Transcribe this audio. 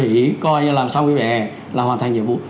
đi coi như là làm xong cái vỉa hè là hoàn thành nhiệm vụ